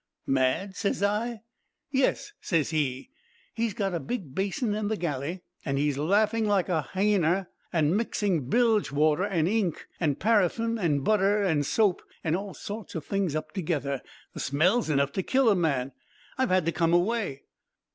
"'Mad?' ses I. "'Yes,' ses he. 'He's got a big basin in the galley, an' he's laughing like a hyener an' mixing bilge water an' ink, an' paraffin an' butter an' soap an' all sorts o' things up together. The smell's enough to kill a man; I've had to come away.'